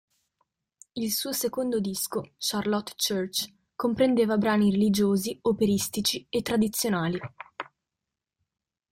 Il suo secondo disco, "Charlotte Church", comprendeva brani religiosi, operistici e tradizionali.